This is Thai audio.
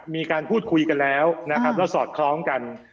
มีการพูดคุยกันแล้วนะครับแล้วสอดคล้องกัน